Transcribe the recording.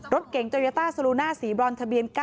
รถเก๋งจอยต้าสรุน่าศรีบรรณทะเบียน๙